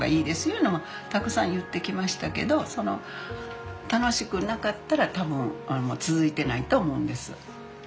いうのはたくさん言ってきましたけど楽しくなかったら多分続いてないと思うんです。